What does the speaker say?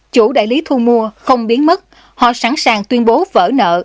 chủ đại lý thu mua không biến mất họ sẵn sàng tuyên bố vỡ nợ